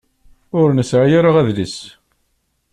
Ur nesεi ara adlis.